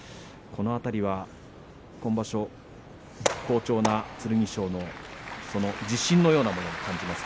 この辺りは今場所好調の剣翔の自信のようなものが見られます。